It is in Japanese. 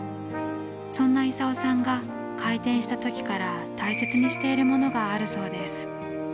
そんな功さんが開店した時から大切にしているものがあるそうです。